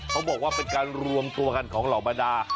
เขาบอกว่าเป็นการรวมตัวกันของเหล่าบรรดา